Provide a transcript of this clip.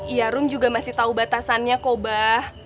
iya rom juga masih tau batasannya kok abah